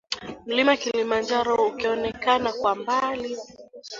Mlima Kilimanjaro ukionekana kwa mbali